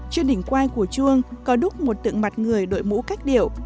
trên đỉnh quai của chuông có đúc một tượng mặt người đội mũ cách điệu